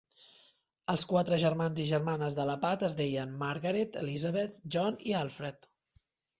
Els quatre germans i germanes de la Pat es deien: Margaret, Elizabeth, John i Alfred.